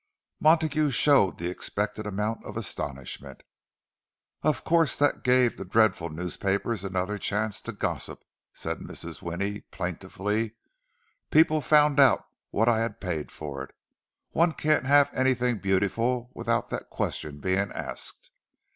Montague showed the expected amount of astonishment. "Of course that gave the dreadful newspapers another chance to gossip," said Mrs. Winnie, plaintively. "People found out what I had paid for it. One can't have anything beautiful without that question being asked."